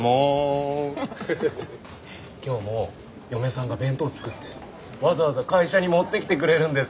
今日も嫁さんが弁当作ってわざわざ会社に持ってきてくれるんです。